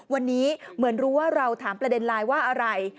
วันนี้เหมือนรู้ว่าเราถามประเด็นไลน์ว่าอะไร